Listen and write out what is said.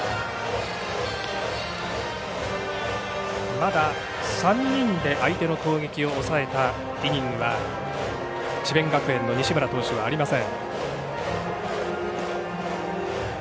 まだ３人で相手の攻撃を抑えたイニングは智弁学園の西村投手はありません。